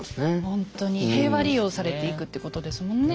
ほんとに平和利用されていくってことですもんね。